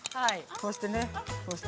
こうしてね。